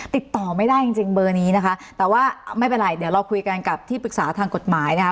ติดต่อไม่ได้จริงจริงเบอร์นี้นะคะแต่ว่าไม่เป็นไรเดี๋ยวเราคุยกันกับที่ปรึกษาทางกฎหมายนะคะ